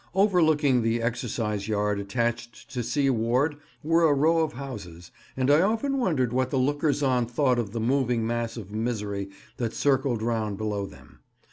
Overlooking the exercise yard attached to C ward were a row of houses, and I often wondered what the lookers on thought of the moving mass of misery that circled round below them.